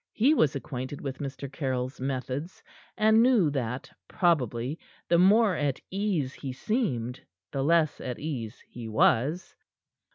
He was acquainted with Mr. Caryll's methods, and knew that, probably, the more at ease he seemed, the less at ease he was.